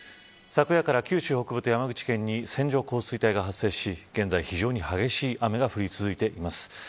昨夜から九州北部と山口県に線状降水帯が発生し現在、非常に激しい雨が降り続いています。